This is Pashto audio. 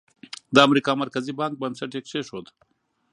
د امریکا مرکزي بانک بنسټ یې کېښود.